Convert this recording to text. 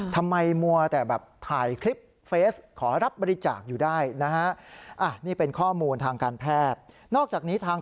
ทำไมมัวแต่แบบถ่ายคลิปเฟสขอรับบริจาคอยู่ได้นะฮะ